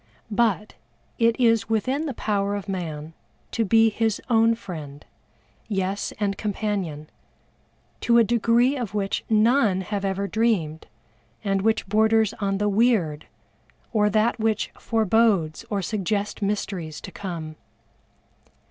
But, it is within the power of man to be his own friend, yes, and companion, to a degree of which none have ever dreamed, and which borders on the weird, or that which forebodes or suggests mysteries to come.